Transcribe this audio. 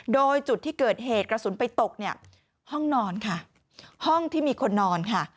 โดยจุดที่เกิดเหตุกระสุนไปตกเนี่ยห้องนอนค่ะห้องที่มีคนนอนค่ะ